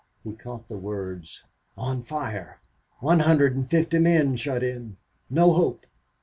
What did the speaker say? He caught the words, "On fire." "One hundred and fifty men shut in." "No hope."